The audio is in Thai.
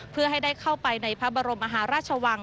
เพื่อให้ได้เข้าไปในพระบรมมหาราชวัง